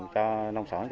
cho nông sản